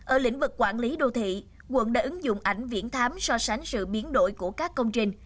ở lĩnh vực quản lý đô thị quận đã ứng dụng ảnh viễn thám so sánh sự biến đổi của các công trình